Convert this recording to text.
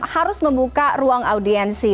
harus membuka ruang audiensi